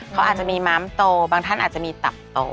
เขาอาจจะมีม้ามโตบางท่านอาจจะมีตับโต